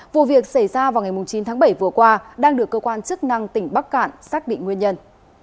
vụ việc xảy ra vào ngày chín tháng bảy vừa qua đang được cơ quan chức năng tỉnh bắc cạn xác định nguyên nhân